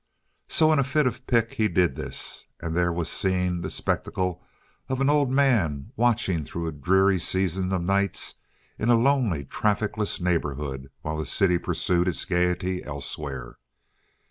So in a fit of pique he did this, and there was seen the spectacle of an old man watching through a dreary season of nights, in a lonely trafficless neighborhood while the city pursued its gaiety elsewhere.